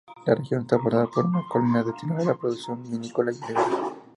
La región está bordeada por una colina destinada a la producción vinícola y olivera.